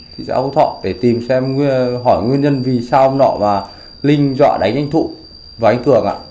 thì cháu có thọ để tìm xem hỏi nguyên nhân vì sao ông nọ và linh dọa đánh anh thụ và anh cường ạ